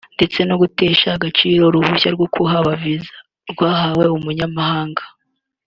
ndetse no gutesha agaciro uruhushya rwo kuhaba (Visa) rwahawe umunyamahanga